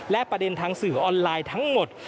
และประเด็นทางสื่อออนไลน์ทั้งหมด